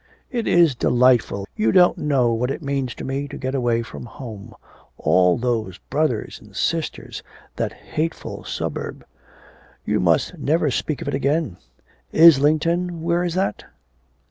'It is delightful, you don't know what it means to me to get away from home all those brothers and sisters that hateful suburb.' 'You must never speak of it again. Islington, where is that?